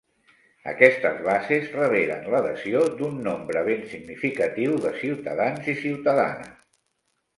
Aquestes bases reberen l'adhesió d'un nombre ben significatiu de ciutadans i ciutadanes.